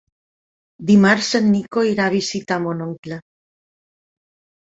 Dimarts en Nico irà a visitar mon oncle.